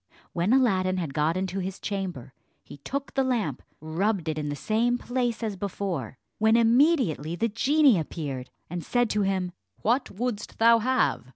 When Aladdin had got into his chamber, he took the lamp, rubbed it in the same place as before, when immediately the genie appeared, and said to him, "What wouldst thou have?